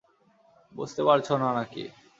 বুঝতে পারছো না না-কি?